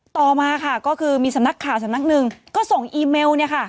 ต่อมาค่ะก็คือมีสำนักข่าวสำนักหนึ่งก็ส่งอีเมลเนี่ยค่ะ